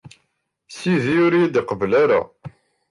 Sidi ur iyi-d-iqebbel ara.